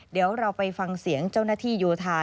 เดี๋ยวเราไปฟังเสียงเจ้าหน้าที่โยธา